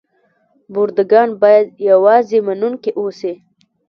برده ګان باید یوازې منونکي اوسي.